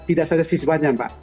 tidak saja siswanya